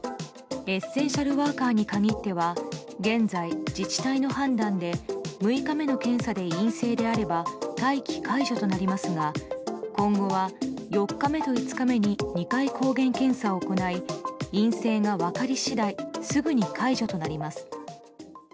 エッセンシャルワーカーに限っては現在、自治体の判断で６日目の検査で陰性であれば待機解除となりますが今後は４日目と５日目に２回、抗原検査を行い陰性が分かり次第すぐに解除となります。